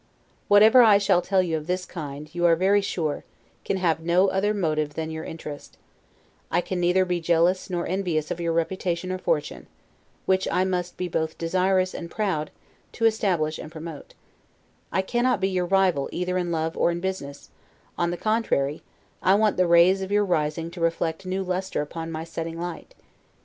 Whatever I shall tell you of this kind, you are very sure, can have no other motive than your interest; I can neither be jealous nor envious of your reputation or fortune, which I must be both desirous and proud to establish and promote; I cannot be your rival either in love or in business; on the contrary, I want the rays of your rising to reflect new lustre upon my setting light.